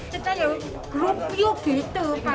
kita ya grup yuk gitu